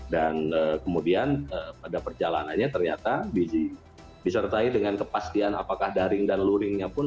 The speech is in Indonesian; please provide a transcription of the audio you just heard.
dan kemudian pada perjalanannya ternyata disertai dengan kepastian apakah daring dan luringnya pun